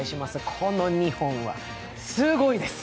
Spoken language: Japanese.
この２本はすごいです。